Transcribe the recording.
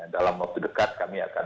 dalam waktu dekat kami akan